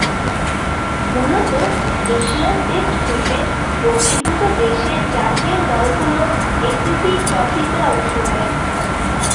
মূলতঃ এশিয়ার test cricket বহির্ভূত দেশের জাতীয় দলগুলো এসিসি ট্রফিতে অংশ নেয়।